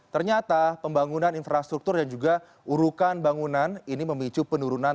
ternyata pembangunan infrastruktur dan juga urukan bangunan ini memicu penurunan